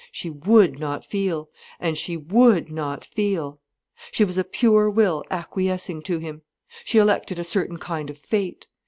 She would not feel, and she would not feel. She was a pure will acquiescing to him. She elected a certain kind of fate.